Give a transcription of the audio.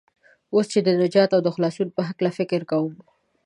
اوس چې د نجات او خلاصون په هلکه فکر کوم.